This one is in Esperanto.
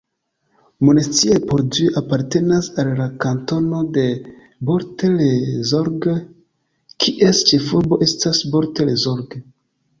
Monestier-Port-Dieu apartenas al la kantono de Bort-les-Orgues, kies ĉefurbo estas Bort-les-Orgues.